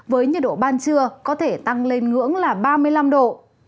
với nhiệt độ ban trưa có thể tăng lên ngưỡng là ba mươi năm độ